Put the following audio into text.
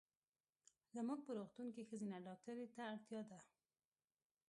زمونږ په روغتون کې ښځېنه ډاکټري ته اړتیا ده.